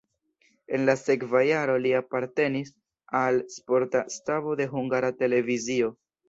En la sekva jaro li apartenis al sporta stabo de Hungara Televizio.